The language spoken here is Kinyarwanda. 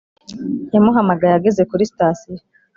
yamuhamagaye ageze kuri sitasiyo.